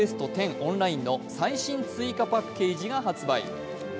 オンラインの最新追加パッケージが発売。